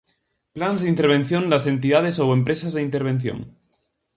Plans de intervención das entidades ou empresas de intervención.